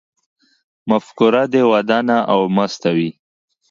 مفکوره دې ودانه او مسته وي